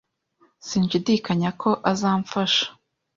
Sinshidikanya ko azamfasha.